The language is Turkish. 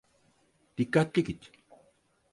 Dikkatli git.